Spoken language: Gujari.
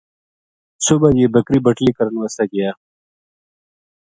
صبح یہ بکری بٹلی کرن واسطے گیا